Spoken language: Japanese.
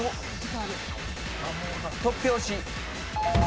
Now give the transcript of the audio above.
突拍子。